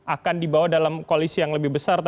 akan dibawa dalam koalisi yang lebih besar